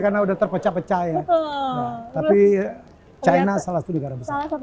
karena udah terpecah pecah ya tapi china salah satu negara